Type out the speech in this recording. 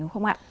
đúng không ạ